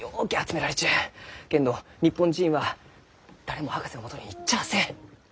けんど日本人は誰も博士のもとに行っちゃあせん。